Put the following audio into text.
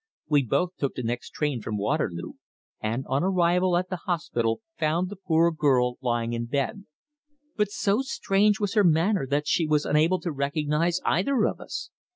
We both took the next train from Waterloo, and on arrival at the hospital found the poor girl lying in bed. But so strange was her manner that she was unable to recognize either of us.